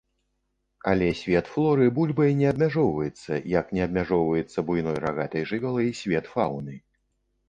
Але свет флоры бульбай не абмяжоўваецца, як не абмяжоўваецца буйной рагатай жывёлай свет фауны.